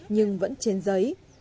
nhưng vẫn trên giấy